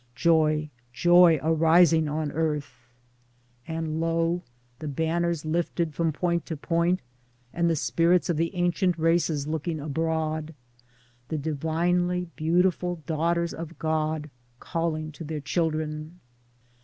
Joy, Joy arising on Earth ! And lo ! the banners lifted from point to point, and the spirits of the ancient races looking abroad — the divinely beautiful daughters of God calling to their children.